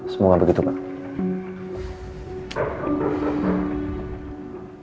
semoga begitu pak